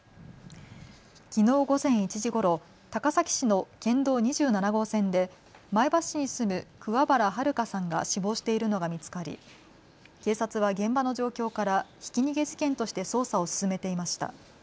きのう午前１時ごろ高崎市の県道２７号線で前橋市に住む桑原悠さんが死亡しているのが見つかり警察は現場の状況からひき逃げ事件として捜査を進めていました。